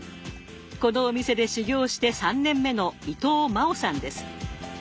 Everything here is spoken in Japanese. このお店で修業して３年目の伊藤真生さんです。